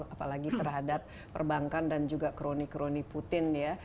apalagi terhadap perbankan dan juga kroni kroni putin ya